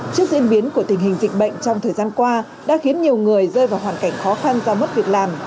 trước diễn biến của tình hình dịch bệnh trong thời gian qua đã khiến nhiều người rơi vào hoàn cảnh khó khăn do mất việc làm